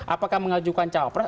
apakah mengajukan cawapres